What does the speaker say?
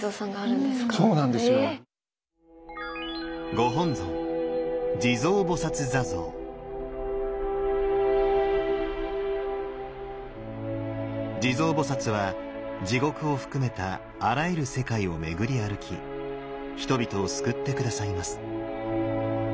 ⁉ご本尊地蔵菩は地獄を含めたあらゆる世界を巡り歩き人々を救って下さいます。